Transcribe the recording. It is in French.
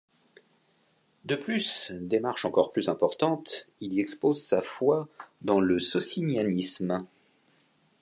De plus, démarche encore plus importante, il y expose sa foi dans le socinianisme.